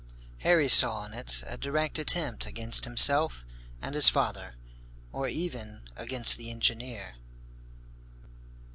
Harry saw in it a direct attempt against himself and his father, or even against the engineer.